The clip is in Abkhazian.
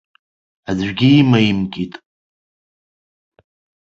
Аӡәгьы имаимкит.